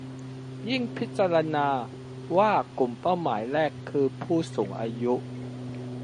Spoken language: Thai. ยิ่งพิจารณว่ากลุ่มเป้าหมายแรก คือผู้สูงอายุ